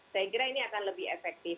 saya kira ini akan lebih efektif